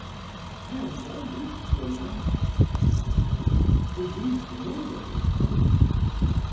"I am well used to a lamp," smiled Helena. "We use them always at home."